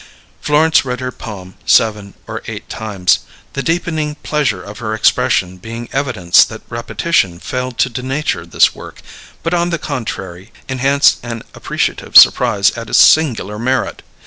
Florence read her poem seven or eight times, the deepening pleasure of her expression being evidence that repetition failed to denature this work, but on the contrary, enhanced an appreciative surprise at its singular merit.